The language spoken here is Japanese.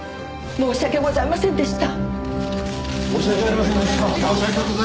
申し訳ございませんでした。